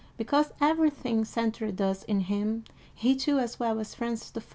Because every thing centered thus in him, he too, as well as Francis I.